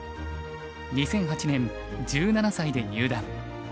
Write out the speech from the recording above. ２００８年１７歳で入段。